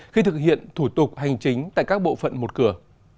khi thực hiện thủ tục hành chính tại các bộ phận một cửa